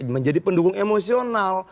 menjadi pendukung emosional